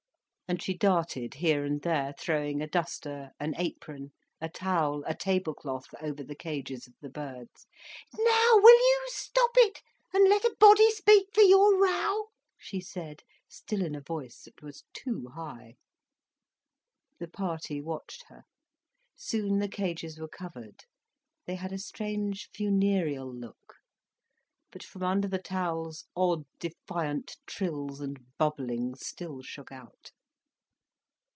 And she darted here and there, throwing a duster, an apron, a towel, a table cloth over the cages of the birds. "Now will you stop it, and let a body speak for your row," she said, still in a voice that was too high. The party watched her. Soon the cages were covered, they had a strange funereal look. But from under the towels odd defiant trills and bubblings still shook out.